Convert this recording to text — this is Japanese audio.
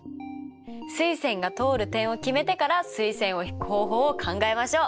垂線が通る点を決めてから垂線を引く方法を考えましょう！